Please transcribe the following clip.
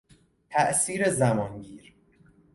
تاثیر زمانگیر